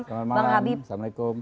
selamat malam assalamualaikum